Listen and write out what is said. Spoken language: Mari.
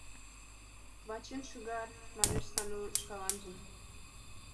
«Вачин шӱгар», — манеш Сану шкаланже...